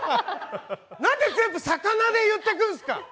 なんで全部魚で言ってくるんですか。